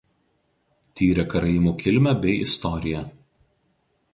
Tyrė karaimų kilmę bei istoriją.